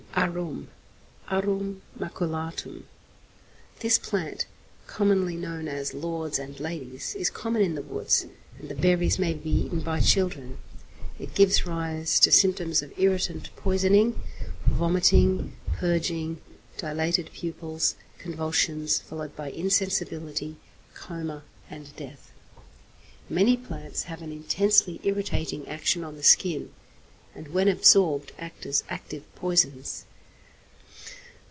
=Arum= (Arum Maculatum). This plant, commonly known as 'lords and ladies,' is common in the woods, and the berries may be eaten by children. It gives rise to symptoms of irritant poisoning, vomiting, purging, dilated pupils, convulsions, followed by insensibility, coma, and death. Many plants have an intensely irritating action on the skin, and when absorbed act as active poisons.